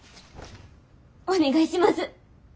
お願いします。